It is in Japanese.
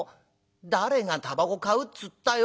「誰がたばこ買うっつったよ。